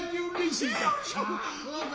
そうか。